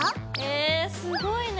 えすごいね。